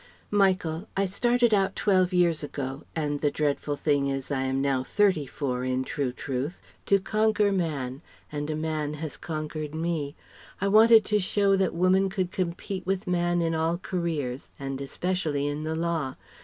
"Michael! I started out twelve years ago and the dreadful thing is I am now thirty four in true truth! to conquer Man, and a man has conquered me! I wanted to show that woman could compete with man in all careers, and especially in the Law.